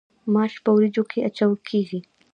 ماش په وریجو کې اچول کیږي.